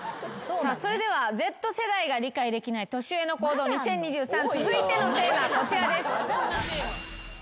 さあそれではＺ世代が理解できない年上の行動２０２３続いてのテーマはこちらです。